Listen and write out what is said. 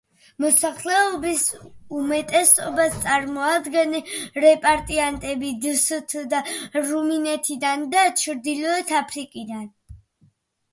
მოსახლეობის უმეტესობას წარმოადგენენ რეპატრიანტები დსთ-დან, რუმინეთიდან და ჩრდილოეთი აფრიკიდან.